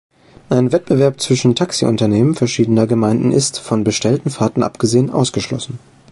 Ein Wettbewerb zwischen Taxiunternehmen verschiedener Gemeinden ist, von bestellten Fahrten abgesehen, ausgeschlossen.